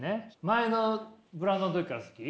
前のブランドの時から好き？